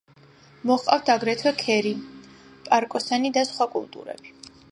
მოჰყავთ აგრეთვე ქერი, პარკოსანი და სხვა კულტურები.